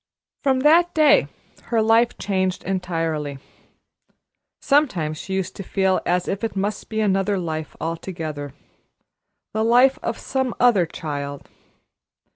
From that day her life changed entirely. Sometimes she used to feel as if it must be another life altogether, the life of some other child.